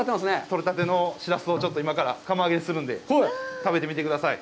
取れたてのしらすを、今から釜揚げにするんで、食べてみてください。